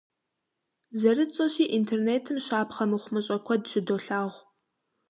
ЗэрытщӀэщи, интернетым щапхъэ мыхъумыщӏэ куэд щыдолъагъу.